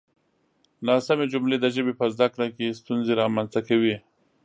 ناسمې جملې د ژبې په زده کړه کې ستونزې رامنځته کوي.